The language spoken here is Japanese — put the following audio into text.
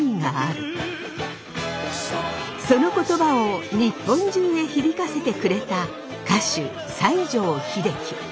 その言葉を日本中へ響かせてくれた歌手西城秀樹。